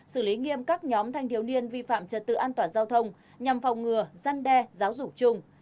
xử lý nghiêm các nhóm thanh thiếu niên vi phạm trật tự an toàn giao thông nhằm phòng ngừa gian đe giáo dục chung